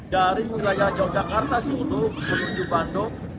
juga dari wilayah jawa jakarta juga menuju bandung